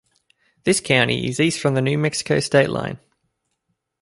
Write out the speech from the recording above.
This county is east from the New Mexico state line.